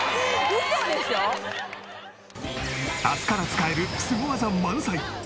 明日から使えるスゴ技満載。